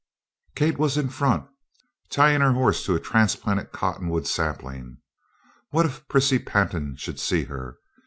Kate was in front, tying her horse to a transplanted cottonwood sapling. What if Prissy Pantin should see her!